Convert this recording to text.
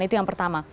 itu yang pertama